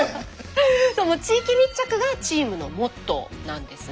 地域密着がチームのモットーなんですね。